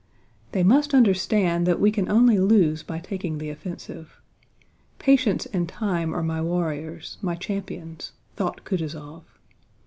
"They must understand that we can only lose by taking the offensive. Patience and time are my warriors, my champions," thought Kutúzov.